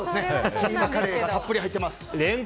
キーマカレーがたっぷり入ってます。